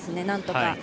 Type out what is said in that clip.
なんとか。